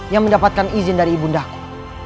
yang mendapatkan izin dari ibundaku